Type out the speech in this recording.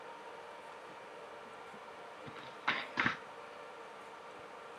中华民国商务代表团目前也已关闭。